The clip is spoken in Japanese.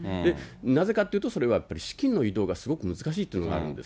なぜかというと、それはやっぱり資金の移動がすごく難しいというのがあるんです。